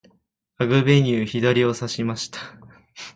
アグベニュー、左をさしました。